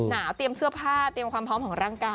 หนาวเตรียมเสื้อผ้าเตรียมความพร้อมของร่างกาย